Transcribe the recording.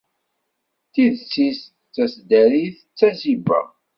Tidet-is, d taseddarit, d tazibba.